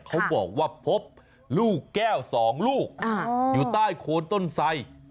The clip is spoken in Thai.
เขาบอกว่าพบลูกแก้ว๒ลูกอยู่ใต้โคนต้นไส